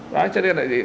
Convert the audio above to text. đấy cho nên là